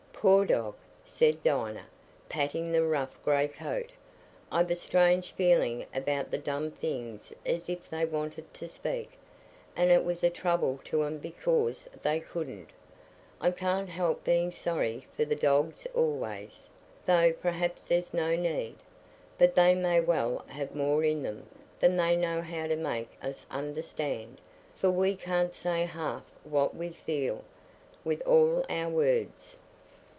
"Poor dog!" said Dinah, patting the rough grey coat, "I've a strange feeling about the dumb things as if they wanted to speak, and it was a trouble to 'em because they couldn't. I can't help being sorry for the dogs always, though perhaps there's no need. But they may well have more in them than they know how to make us understand, for we can't say half what we feel, with all our words."